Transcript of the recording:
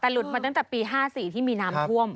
แต่หลุดมาตั้งแต่ปี๕๔ที่มีน้ำท่วม